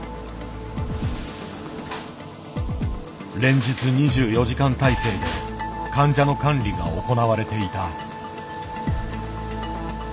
連日２４時間体制で患者の管理が行われていた。